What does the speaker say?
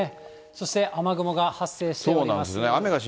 そして雨雲が発生しております。